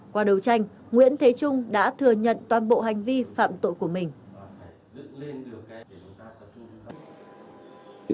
qua đấu tranh nguyễn thế trung đã thừa nhận toàn bộ hành vi phạm tội của mình